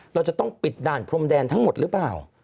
เราจะต้องปิดด่านพรมแดนทั้งหมดหรือเปล่า